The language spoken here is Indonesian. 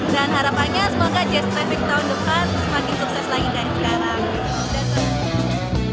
dan harapannya semoga jazz traffic tahun depan semakin sukses lagi dari sekarang